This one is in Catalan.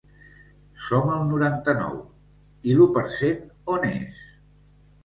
Som el noranta-nou, i l’u per cent on és?